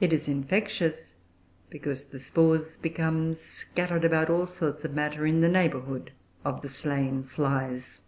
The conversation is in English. It is "infectious" because the spores become scattered about all sorts of matter in the neighbourhood of the slain flies.